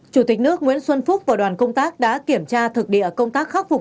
chủ tịch nước nguyễn xuân phúc và đoàn công tác đã kiểm tra thực địa công tác khắc phục